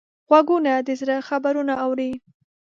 غوږونه د زړه خبرونه اوري